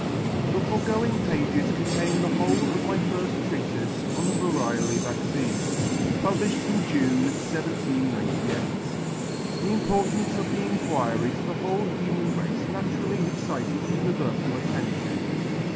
The foregoing pages contain the whole of my firft Treatife on the Variolae Vaccinae, publilhed in June, 1798. The importance of the Inquiry to the whole human race naturally excited uni verfal attention.